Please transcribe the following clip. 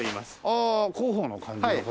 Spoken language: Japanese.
ああ広報の感じの方。